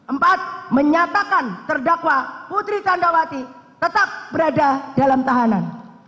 empat menyatakan terdakwa putri candrawati tetap berada dalam tahanan